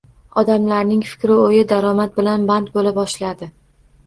Odamlarning fikri-oʻyi daromad bilan band boʻla boshladi.